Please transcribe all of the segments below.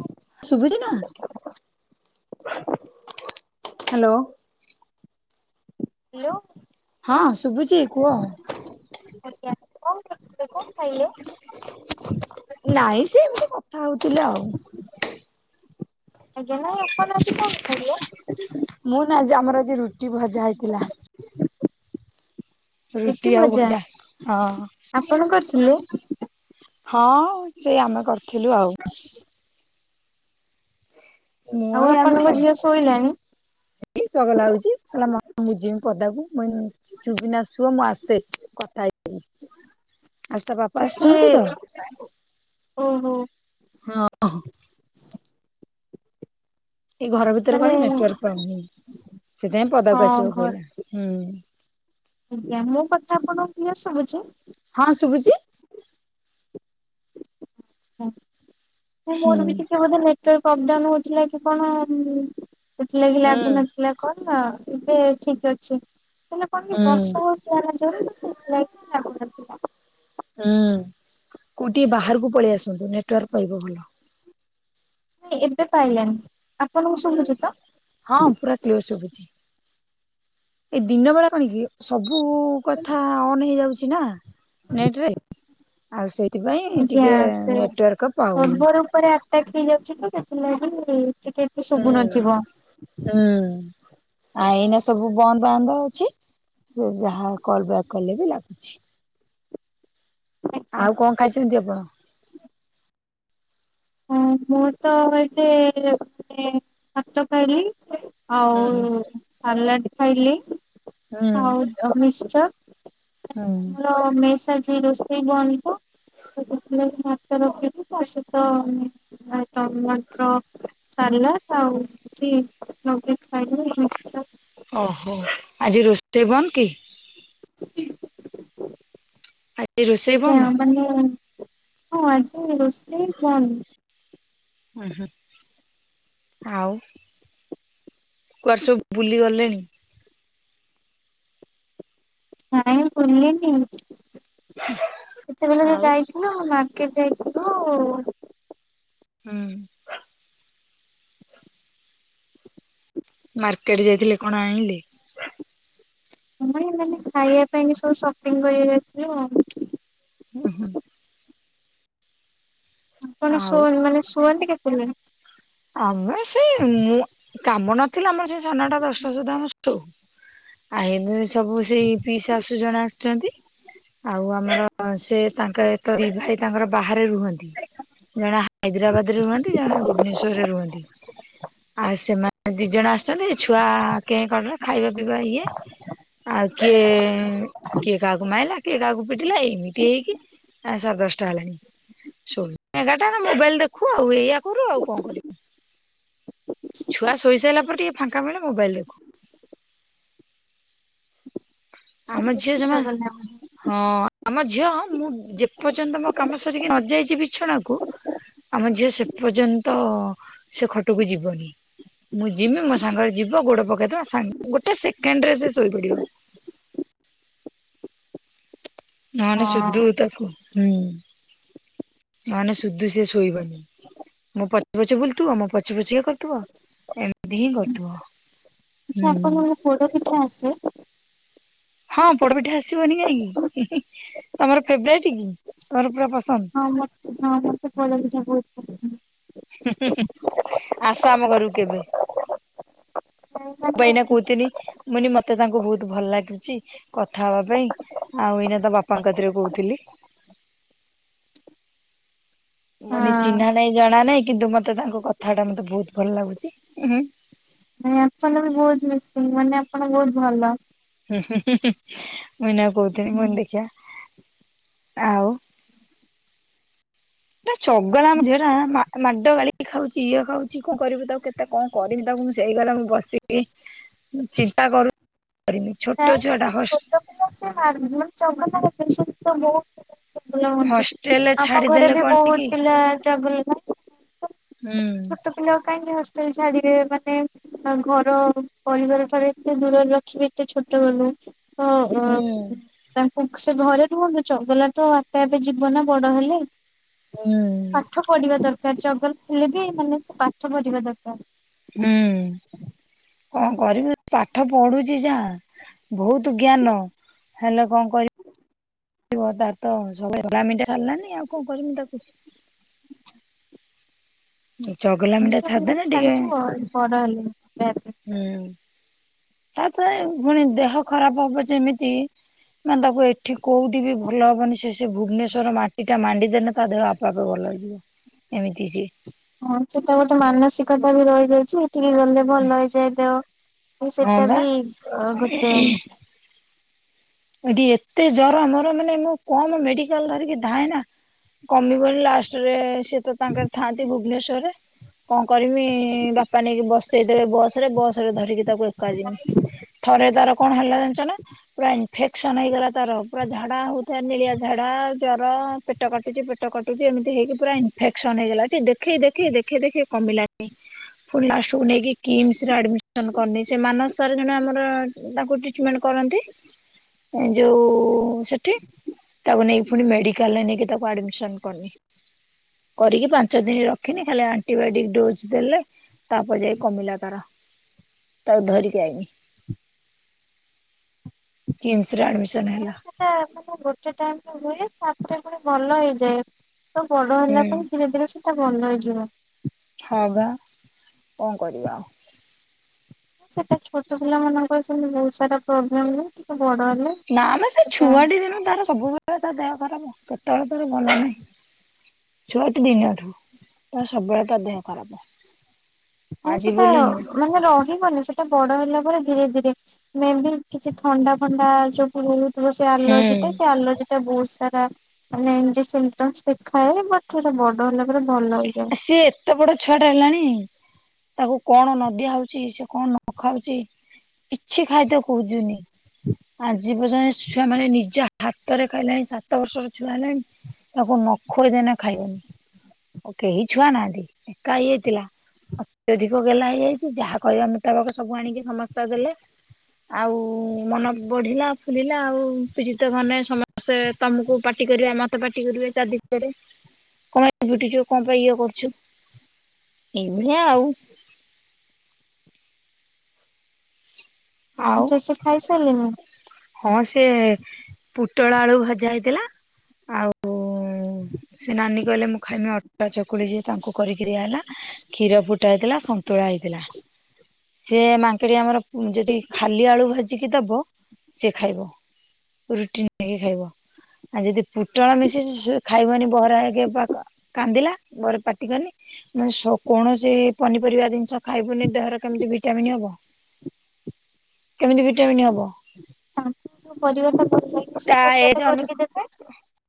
ହଉ! ଶୁଭଛିନା? Hello. Hello. ହଁ ଶୁଭୁଛି କୁହ? ଆଜ୍ଞା, କଣ କରୁଥିଲେ କଣ ଖାଇଲେ? ନାଇଁ ସେ ଏମିତି କଥା ହଉଥିଲା ଆଉ। ଆଜ୍ଞା ନାଇଁ ଆପଣ ଆଜି କଣ ଖାଇଲେ? ମୁଁ ନା ଆଜି ଆମର ଆଜି ଏ ରୁଟି ଭଜା ହେଇଥିଲା। ରୁଟି ଭଜା, ଆପଣ କରିଥିଲେ? ହଁ ସେ ଆମେ କରିଥିଲୁ ଆଉ। ମୁଁ ଆଉ ଏଇ ଆମେ ଆପଣଙ୍କ ସବୁ ଝିଅ ଶୋଇଲାଣି? ଚଗଲା ହୋଉଛି କହିଲା ମୁଁ ଯିବମି ପଦାକୁ [unintelligible] ଚୁପ୍ କିନା ଶୁଅ ମୁଁ ଆସେ କଥା ହେଇକି। ଆଜି ତା ବାପା ସିଏ ଆସୁଛନ୍ତି ତ, ଓହୋ ହଁ। ଏଇ ଘର ଭିତରେ ମାନେ କଣ ନେଟୱାର୍କ ପାଉନି ସେଥିପାଇଁ ହଁ ପଦାକୁ ଆସିବାକୁ ଘର ପଡିଲା। ଆଜ୍ଞା, ମୋ କଥା ଆପଣଙ୍କୁ କ୍ଲିଅର ସଭୁଛି? ହଁ ଶୁଭୁଚି। ହୁଁ ମୋର ବି ଟିକେ ବୋଧେ ନେଟୱାର୍କ ଅପଡାଉନ ହୋଉଥିଲା କି କଣ ସେଥିଲାଗି ହୁଁ ଲାଗୁନଥିଲା। କଣ ନା ଏବେ ଠିକ ଅଛି ହେଲେ ମନେ କଣ କି ହୁଁ ବର୍ଷା ହେଉଥିଲାନା ଯୋରରେ ସେଇଥିଲାଗି ଥିଲା ହୁଁ କୋଉଠି ଟିକେ ବାହାରକୁ ପଳେଇ ଆସନ୍ତୁ ନେଟୱାର୍କ ପାଇବ ଭଲ। ଏବେ ପାଇିଲାଣିି। ହୁଁ, ହଁ ପୁରା କ୍କିଅର ଶୁଭୁଚି। ଏଇ ଦିନ ବେଳା କଣ କି ସବୁ କଥା ଅନ୍ ହେଇଯାଉଛି ନା। ନେଟରେ, ଆଉ ସେଥିପାଇଁ ଟିକେ ନେଟୱାର୍କ ପାଉନି। ତାପରେ ଆଟକ୍ ହେଇଯାଉଚି ତ ସେଥିଲାଗି ଟିକେ ଏତେ ଶୁଭୁ ନଥିବ। ହୁଁ ହୁଁ। ଆ ଏଇନା ସବୁ ବନ୍ଦ ବାନ୍ଦ ଅଛି, ସେ ଯାହା କଲ ବ୍ୟକ୍ କଲେ ବି ଲାଗୁଛି। ଆଉ କଣ ଖାଇଛନ୍ତି ଆପଣ? ହଁ ମୁଁ ତ ଏବେ ହାତ ଧୋଇଲି ଆଉ ହୁଁ। ସାଲାଡ଼ ଖାଇଲି। ହୁଁ ଆଉ ମିଶ୍ଚର କାଇଁ ହୁଁ ନା ମୋର ମେସ ଆଜି ରୋସ୍ ଇ ବନ୍ଦ ତ [unintelligible] ଭାତ ରଖିକୀ ତା ସହିତ ଆଉ ଟମାଟର ସାଲାଡ ଆଉ ଏମିତି ଲଗେଇ ଖାଇଲୁ [unintelligible] ଓହୋ ଆଜି ରୋଷେଇ ବନ୍ଦ କି? ଆଜି ରୋଷେଇ ଆଜ୍ଞା ବନ୍ଦ? ମାନେ ହଁ ଆଜି ରୋଷେଇ ବନ୍ଦ। [unintelligible] ଆଉ କୁଆଡେ ସବୁ ବୁଲି ଗଲେଣି? ନାଇଁ ବୁଲିନି ସେତେବେଳେ ଆଉ ଯାଇଥିଲ ହଁ ମାର୍କେଟ ଯାଇଥୁଲୁ। ହୁଁ। ମାର୍କେଟ ଯାଇଥିଲେ କଣ ଆଇଁଲେ? ମୁଇ ଏମାନେ ଖାଇବା ପାଇଁ ବି ସବୁ ସପିଙ୍ଗ କରି [unintelligible] ହୁଁ ହୁଁ। ଆପଣ ଶୋ ଆଉ ନି ମାନେ ଶୁଅନ୍ତି କେତେ ବେଳେ? ଆମେ ସେଇ ମୁଁ କାମ ନଥିଲେ ଆମର ସେଇ ସାଢ଼ ନାଟା ଦଶଟା ସୁଦ୍ଧା ଆମେ ଶୋଉ। ଆ ଇବେ ସବୁ ସେଇ ପିଇ ଶାଶୁ ଜଣେ ଆସିଚନ୍ତି। ଆଉ ଆମର ସେ ତାଙ୍କେ ଇ ଭାଇ ତାଙ୍କର ବାହାରେ ରୁହନ୍ତି। ଜଣେ ହାଇଦ୍ରାବାଦ ରେ ରୁହନ୍ତି ଜଣେ ଭୁବନେଶ୍ଵରରେ ରୁହନ୍ତି ଆଉ ସେମା ଦି ଜଣ ଆସିଛନ୍ତି ଛୁଆ କେଁ କଟର ଖାଇବା ପିଇବା ଇଏ। ଆଉ କିଏ କିଏ କାହାକୁ ମାଇଲା କିଏ କାହାକୁ ପିଟିଲା ଏମିତି ହେଇକି। ଆ ସାଢେ ଦଶଟା ହେଲାଣି ଶୋ ଏଗାରଟା ମୋବାଇଲ ଦେଖୁ ଆଉ ଏଇଆ କରୁ ଆଉ କଣ କରିବୁ। ଉଁ। ଛୁଆ ଶୋଇ ସାଇଲା ପରେ ଟିକେ ଫାଙ୍କା ମିଳେ ମୋବାଇଲ ଦେଖୁ। ଆମ ହଁ ଝିଅ ଆଚ୍ଛା ଜମା ହଁ ଆମ ଝିଅ ମୁଁ ଯେପର୍ଯ୍ୟନ୍ତ ମୋ କାମ ସରିକି ନଯାଇଛି ବିଛଣାକୁ। ଆମ ଝିଅ ସେ ପର୍ଯ୍ୟନ୍ତ ସେ ଖଟକୁ ଯିବନି। ମୁଁ ଯିମି ମୋ ସାଙ୍ଗରେ ଯିବ ଗୋଡ ପକେଇଦବ ସାଙ୍ଗେ ଗୋଟେ ସେକେଣ୍ଡ ରେ ସେ ଶୋଇପଡିବ। ନଲେ ଶୁଦ୍ଧୁ ତାକୁ ହୁଁ ନଲେ ଶୁଧୁ ସେ ଶୋଇବନି। ମୁଁ ପଛେ ପଛେ ବୁଲଥିବ ମୋ ପଛେ ପଛେ ଇଏ କରୁଥିବ ଏମିତି ହିଁ କରୁଥିବ। ହୁଁ। ଆଛା ଅପଣଙ୍କୁ ପୋଡ ପିଠା ଆସେ? ହଁ ପୋଡପିଠା ଆସିବନି କାହିଁକି ତମର ଫେବରାଇଟ କି ତମର ପୁରା ପସନ୍ଦ। ହଁ ମତେ ହଁ ମତେ ପୋଡ ପିଠା ବହୁତ୍ ପସନ୍ଦ। ହୁଁ ହୁଁ ଆସ ଆମ ଘରକୁ କେବେ। [inaudible] ମୁଁ ବା ଏଇନା କହୁଥିନି ମୁ ଏନେ ମତେ ତାଙ୍କୁ ବହୁତ ଭଲ ଲାଗୁଚି କଥା ହବା ପାଇଁ। ଆଉ ଏଇନା ତା ବାପାଙ୍କତିରେ କହୁଥିଲି। ମୁଁ କଇନି ଚିହ୍ନା ନାଇ ଜଣା ନାହିଁ କିନ୍ତୁ ମତେ ତାଙ୍କ କଥା ଟା ମତେ ବହୁତ ଭଲ ଲାଗୁଚି ଉଁ ହୁଁ। ଆପଣ ବି ବହୁତ ମିକ୍ସିଙ୍ଗ ମାନେ ଆପଣ ବହୁତ ଭଲ। ହୁଁ ହୁଁ ହୁଁ ମୁ ଏଇନା କହୁଥିଲି ମୁ କନି ଦେଖିଆ ଆଉ। ନା ଚଗଲା ଆମ ଝିଅଟା ମା ମାଡ ଗାଳିି ଖାଉଚି ଇଏ ଖାଉଚି କଣ କରିବୁ ତାକୁ କେତେ କଣ କରବି ତାକୁ ମୁଁ ସେଇ କଥା ମୁଁ ବସିକି ଚିନ୍ତା କରୁ କରୁନି ନାଇଁ ଛୋଟ ଛୁଆ ସେ ଟା ହସ ଛୋଟ [unintelligible] ମାନେ ଚଗଲା ହେବେ ସେତ ବହୁତ। ଚଗଲା ହୁଅନ୍ତି ହଷ୍ଟେଲରେ ଆମ ଛାଡିଦେଲେ ଘରେ ବି କଣ କି ବହୁତ ପିଲା ଚଗଲା। ହୁଁ। ଛୋଟ ପିଲା କାହିଁକି ହଷ୍ଟେଲ ଛାଡିବେ ମାନେ ଆ ଘର ପରିବାର ରେ ଏତେ ଦୂରରେ ରଖିବେ ଏତେ ଛୋଟବେଳୁ। ହୁଁ [inaudible] ତାଙ୍କୁ ସେ ଘରେ ରୁହନ୍ତୁ ଚଗଲା ତ ଆପେ ଆପେ ଯିବ ନା ବଡ ହେଲେ। ହୁଁ ପାଠ ପଢିବା ଦରକାର ଚଗଲା ହେଲେ ବି ମାନେ ସେ ପାଠ ପଢିବା ଦରକାର। ହୁଁ କଣ କରିବି ପାଠ ପଢୁଛି ଯା ବହୁତ ଜ୍ଞାନ ହେଲେ କଣ କର ତାର ତ ସବୁବେଳେ [unintelligible] ସାରିଲାନି ଆଉ କଣ କରମି ତାକୁ। ଚଗଲ ଜାଣିଚ ଚଗଲାମୀ ଛାଡି ଯିବ ବଡ ହେଲେ ନିହାତି। ହୁଁ। ତାପରେ ପୁଣି ଦେହ ଖରାପ ହବ ଯେମିତି ମାନେ ତାକୁ ଏଠି କୋଉଠି ବି ଭଲ ହବନି ସେ ସେ ଭୁବନେଶ୍ୱର ମାଟି ଟା ମାଣ୍ଡି ଦେଲେ ତା ଦେହ ଆପେ ଆପେ ଭଲ ହେଇଯିବ ଏମିତି ସିଏ। ହଁ ସେଟା ଗୋଟେ ମାନସିକତା ବି ରହିଯାଇଛି ଏଠିକି ଗଲେ ଭଲ ହେଇଯାଏ ଦେହ। ହଁ ସେଟା ବା ବି ଗୋଟ। ଏଠି ଏତେ ଜର ମୋର ମାନେ ମୁଁ କମ ମେଡିକାଲ ଧରିକି ଧାଁଏ ନା। କମିବନି ଲାଷ୍ଟରେ ସେ ତ ତାଙ୍କର ଥାଆନ୍ତି ଭୁବନେଶ୍ଵରରେ। କଣ କରମି ବାପା ନେଇକି ବସେଇଦବେ ବସ ରେ ବସ ରେ ଧରିକି ତାକୁ ଏକା ଯିମି। ଥରେ ତାର କଣ ହେଲା ଜାଣିଛ ନା ପୁରା ଏମ୍ଫେ ସନ ହେଇଗଲା ତାର ପୁରା ଝାଡା ହଉଥାଏ ନେଳିଆ ଝାଡା ଜର ପେଟ କାଟୁଛି ପେ ସେ କଟୁଚି ଏମିତି ହେଇକି ପୁରା ଇନଫେକ୍ସନ୍ ହେଇଗଲା। ଏଠି ଦେଖେଇ ଦେଖେଇ ଦେଖେଇ ଦେଖେଇ କମିଲାନି। ଫୁଣି ଲାଷ୍ଟକୁ ନେଇକି କିମ୍ସ ରେ ଆଡମି ସନ୍ କରନି। ସେ ମାନସ ସାର୍ ଜଣେ ଆମର ଉଁ, ତାଙ୍କୁ ଟ୍ରିଟମେଣ୍ଟ କରନ୍ତି। ଏଁ ଯୋଉ ସେଠି। ତାକୁ ନେଇକି ଫୁଣି ମେଡିକାଲ୍ ରେ ନେଇକି ତାକୁ ଆଡମିସନ୍ କନି। କରିକି ପାଞ୍ଚ ଦିନ ରଖିନି, ଖାଲି ଆଣ୍ଟିବାଇଟିକ ଡୋଜ୍ ଦେଲେ। ତାପରେ ଯାଇ କମିଲା ତାର, ତାକୁ ଧରି ଆଇନି। କିମ୍ସ ରେ ଆଡମିସନ୍ ହେଲା। ସେତେ ମାନେ ଗୋଟେ ଟାଇମ୍ ରେ ହୁଏ ତାପରେ ପୁଣି ଭଲ ହେଇଯାଏ। ତ ବଡ ହୁଁ ହେଲା ପରେ ଧୀରେ ଧୀରେ ସେଟା ଭଲ ହେଇଯିବ। ହଁ ବା କଣ କରିବା ଆଉ। ସେ ତ ଛୋଟ ପିଲାମାନାନଙ୍କର ସେମତି ବହୁତ ସାରା ପ୍ରୋବ୍ଲେମ୍ [inaudible] ନା ଆମେ ସେ ଛୁଆଟି ଦିନୁ ତାର ସବୁବେଳେ ତା ଦେହ ଖରାପ। କେତେବେଳେ ତାର ଭଲ ନାହିଁ। ଛୁଆଟି ଦିନଠୁ ତାର ସବୁବେଳେ ତା ଦେହ ଖରାପ। ନାହିଁ ସେ ଆଜି ତ ବୋଲି ନୁହେଁ ମାନେ ରହିବନି ସେ ଟା ବଡ ହେଲା ପରେ ଧୀରେ ଧୀରେ ମେ ବି କିଛି ଥଣ୍ଡା ଫଣ୍ଡା ଯୋ [inaudible] ଥିବ ସେ ଆର୍ଲଜି ହୁଁ। ଟା ସେ ଆର୍ଲଜି ତ ବହୁତ ସାରା ମାନେ ଏମତି ସେମତି ବାସ୍ ଦେଖାଏ। ବଟ୍ ସେଟା ବଡ ହେଲା ପରେ ଭଲ ହେଇଯାଏ। ସିଏ ଏତେ ବଡ ଛୁଆ ଟା ହେଲାଣି ତାକୁ କଣ ନ ଦିଆ ହଉଚି, ସେ କଣ ନ ଖାଉଚି। କିଛି ଖାଦ୍ୟ ଖୁଜୁନି। ଆଜି ପର୍ଯ୍ୟନ୍ତ ଛୁଆ ମାନେ ନିଜ ହାତରେ ଖାଇଲେଣି ସାତ ବର୍ଷର ଛୁଆ ହେଲାଣି। ତାକୁ ନ ଖୋଇଦେନେ ଖାଇବନି। ଓ କେହି ଛୁଆ ନାହାନ୍ତି, ଏକା ଇଏ ଥିଲା। ଅତ୍ୟଧିକ ଗେହ୍ଲା ହେଇଯାଇଚି, ଯାହା କହିବ ଆମେ ତା ପାଖର ସବୁ ଆଣିକି ସମସ୍ତେ ଦେଲେ। ଆଉ ମନ ବଢିଲା ଫୁଲିଲା ଆଉ କିଛି ତ କନେ ସମ ସେ ତୋମକୁ ପାଟି କରିବେ, ମୋତେ ପାଟି କରିବେ, ଚା [inaudible] ରେ କଣ [inaudible] କଣ ପାଇଁ ଇଏ କରୁଛୁ। ଏଇ ଭଳିଆ ଆଉ। ଆଉ। ସେ ସେ ଖାଇସାରିଲେନି ହଁ ସେ ପୁଟଳ ଆଳୁ ଭଜା ହେଇଥିଲା ଆଉ ଉଁ, ସେ ନାନୀ କହିଲେ ମୁଁ ଖାଇମି ଅଟା ଚକୁଳି ଯିଏ ତାଙ୍କୁ କରିକି କି ଦିଆହେଲା, କ୍ଷୀର ଫୁଟା ହେଇଥିଲା, ସନ୍ତୁଳା ହେଇଥିଲା। ସେି ମାଙ୍କିଡି ଆମର ଯଦି ଖାଲି ଆଳୁ ଭାଜିିକି ଦବ ସିଏ ଖାଇବ। ରୁଟି ନେଇକି ଖାଇବ। ଆଉ ଯଦି ପୁଟଳ ଆଳୁ ମିଶିଚି ସିଏ ଖାଇବନି ବରା ହେକେ ପାକ କାନ୍ଦିଲା ବର ପାଟି କନି। ମୁଁ ସ କୌଣସି ପନିପରିବା ଜିନିଷ ଖାଇବୁନି ଦେହର କେମିତି ଭିଟାମିିନ୍ ହବ। କେମିତି ଭିଟାମନ୍ ହବ। ତାଙ୍କୁ କୁ ପରିବା ତରକାରୀ ଖାଇକି ତା ସବୁ ପରିବା ଏଜ ଅନୁ ତରକାରୀ କରିକି ଦେବେ।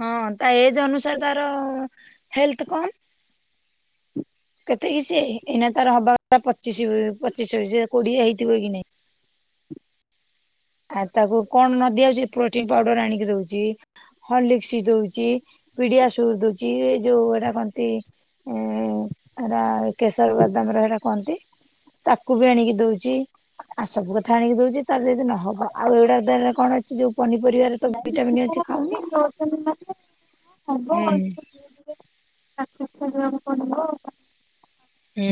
ହଁ ତା ଏଜ୍ ଅନୁସାରେ ତାର ହେଲଥ୍ କମ୍। କେତେ କି ସିଏ ହେ- ଏଇନା ତାର ହବା [inaudible] ପଚିଶି ଛବିଶ ସିଏ କୋଡିଏ ହେଇଥିବ କି ନାଇଁ। ଆଉ ତାକୁ କଣ ନ ଦିଆ ହଉଚି କି ପ୍ରୋଟିନ୍ ପାଉଡର ଆଣିକି ଦଉଚି। ହର୍ଲିକ୍ସ୍ ଦଉଚି, ପିଡିଆସୁର ଦଉଚି, ଏ ଯୋଉ ଏଟା କଣ ତି? [inaudible] ଏଟ କେଶର ବାଦାମ ର ସେଟା କନ୍ତି? ତାକୁ ବି ଆଣିକି ଦଉଛି ଆଉ ସବୁ କଥା ଆଣିକି ଦଉଚି ତାର ଯଦି ନହବ। ଆଉ ଏଉଡା ଦିଆ ହେଲେ କଣ ଅଛି ଯୋଉ ପନିପରିବାରେ ତ ନାଇଁ ଏତେ ଭିଟାମନ୍ ଅଛି ସାରା ଖାଉନି। ପ୍ରୋଟିନ ଦଉଛନ୍ତି ମାନେ ହୁଁ, [inaudible] ହୁଁ।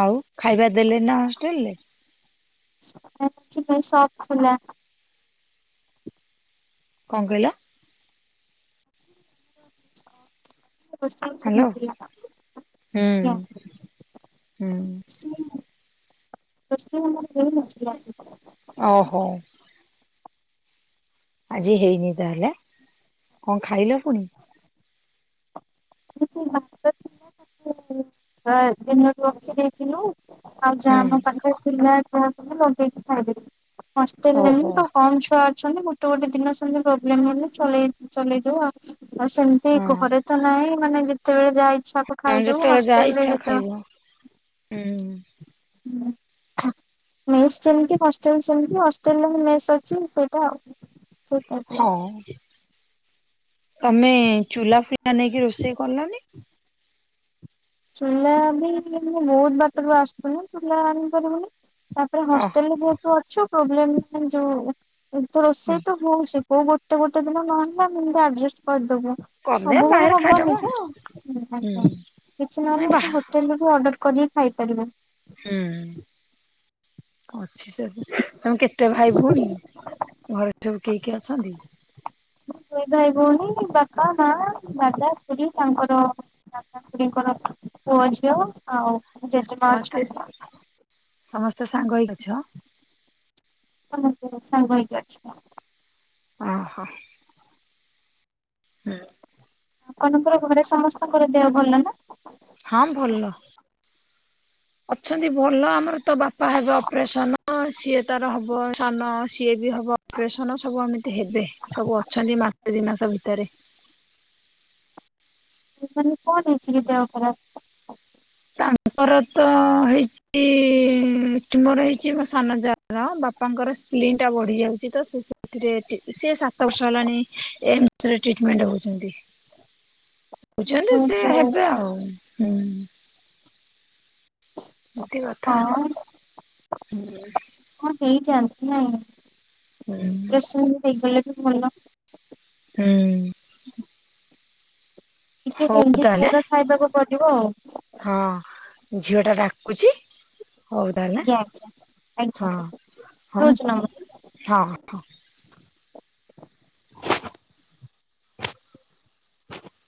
ଆଉ ଖାଇବା ଦେଲେ ନା ହଷ୍ଟେଲ୍ ରେ। [inaudible] ସପ୍ ଖୋଲା। କଣ କହିଲ? ହ୍ୟାଲୋ। [inaudible] ହୁଁ ହୁଁ। [inaudible] [inaudible] ଓହୋ। ଆଜି ହେଇନି ତାହେଲେ କଣ ଖାଇଲ ପୁଣି ପୋଇ ଭାବସେ ବା ଦିନ ରଖି ଦେଇଥିଲୁ, [unintelligible] ଆଉ ହୁଁ। ଯାହା ମୋ ପାଖରେ ଥିଲା ସବୁ ଲଗେଇକି ଖାଇଦେବି ହଷ୍ଟେଲ ନାଇଁ ଓହୋ ତ କମ ଛୁଆ ଅଛନ୍ତି ଗୋଟେ ଗୋଟେ ଦିନ ସେମତି ପ୍ରୋବ୍ଲେମ ହେଲେ ଚେଇ ଚଲେଇ ଦଉ ଆଉ ଆଉ ସେମିତି ହଁ ଘରେ ତ ନାହିଁ ମାନେ ଯେତେବେଳେ ଯାହା ଇଚ୍ଛା ହ ଖାଇଦଉ ଯେତେବେଳେ ଯାହା ହଷ୍ଟେଲରେ ଇଚ୍ଛା ଯେତେବେଳେ ଖାଇବ। ହୁଁ [inaudible] ମେସ୍ ଯେମିତି ହଷ୍ଟେଲ ସେମିତି, ହଷ୍ଟେଲରେ ବି ମେସ୍ ଅଛି ସେଇଟା ସେଇ ଟାଇପ ର ହଁ ତମେ ଚୁଲା ଫୁଲା ନେଇକି ରୋଷେଇ କଲନି? ଚୁଲା ବି ବହୁତ ବାଟରୁ ଆସୁଥିଲୁ ନା ଚୁଲା ଆଣିପାରିବୁନି ମାନେ ତା ଓହୋ। ହଷ୍ଟେଲରେ ଯେହେତୁ ଅ ପ୍ରବ୍ଲେମ ଯଉ ହଁ ରୋଷେଇ ତ ହଉ ସେ କଉ ଗୋଟେ ଗୋଟେ ଦିନ ନହେଲେ ନା ଏମତି ଆଡଜଷ୍ଟ କରିଦବୁ କରିଦେ ସବୁବେଳେ ବାହାରେ ଖାଇଦବ। ହବନି ଯେ। ହୁଁ ଆଜ୍ଞା କିଛି ମାନେ ନହେଲେ ଆମ ବାହା ହୋଟେଲରୁ ବି ଅର୍ଡର କରିକି ଖାଇପାରିବୁ ହୁଁ ଅଛି ସେ ତମେ କେତେ ଭାଇ ଭଉଣୀ ଘରେ ସବୁ କେହି କେ ଅଛନ୍ତି? ଦୁଇ ଭାଇ ଭଉଣୀ, ବାପା ମା, ଦାଦା ଖୁଡ଼ି ତାଙ୍କର ଦାଦା ଖୁଡିଙ୍କର ପୁଅ ଝିଅ ଆଉ ଜେଜେମା ସମସ୍ତେ ଅଛନ୍ତି। ସମସ୍ତେ ସାଙ୍ଗ ହେଇକି ଅଛ? ସମସ୍ସ୍ତେ ସାଙ୍ଗ ହେଇକି ଅଛୁ ଓ ହୋ। [inaudible] ଆପଣଙ୍କର ଘରେ ସମସ୍ତଙ୍କର ଦେହ ଭଲ ନା? ହଁ ଭଲ, ଅଛନ୍ତି ଭଲ ଆମର ତ ବାପା ବା ହେବ ଅପରେସନ ସିଏ ତାର ହବ ସ୍ଥାନ ସିଏ ବି ହବ ଅପରେସନ ସବୁ ଏମିତି ହେବେ ସବୁ ଅଛନ୍ତି ମାସ ଦି ମାସ ଭିତରେ। ମାନେ କଣ ହେଇଛି କି ଦେହଖରାପ? ତାଙ୍କର ତ ହେଇଛି ଟ୍ୟୁମର ହେଇଛି ମୋ ସାନ ଯାଙ୍କର, ବାପାଙ୍କର ସ୍ପଲିନ୍ ଟା ବଢି ଯାଉଛି ତ ସେ ସେଥି ସେ ସାତ ବର୍ଷ ହେଲାଣି ଏମସ ରେ ଟ୍ରିଟମେଣ୍ଟ ହଉଛନ୍ତି। [inaudible] କହୁଛନ୍ତି ସେ ହେବେ ଆଉ ହୁଁ। କଥା ହଁ ହଁ ହୁଁ ମୁ ଦେଇଛି [unintelligible] ନାଇଁ ହୁଁ ଅପେରସନ ହେଇଗଲେ ତ ଭଲ। ହୁଁ ଟିକେ ହଉ ହେଲ୍ଦି ତାହେଲେ ଖାଇବା ଖାଇବାକୁ ପଡିବ ଆଉ। ହଁ ଝିଅ ଟା ଡାକୁଛି ହଉ ତାହେଲେ, ଆଜ୍ଞା ଆଜ୍ଞା ଆଜ୍ଞା ହଁ ହ ରହୁଛି ନମସ୍କାର। ହଁ ହ।